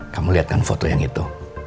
kamu lihat kan foto yang itu